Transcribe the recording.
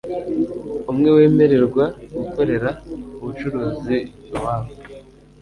umwe wemererwa gukorera ubucuruzi iwabo